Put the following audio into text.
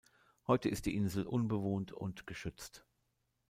Heute ist die Insel unbewohnt und geschützt.